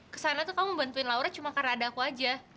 kesana tuh kamu membantuin laura cuma karena ada aku aja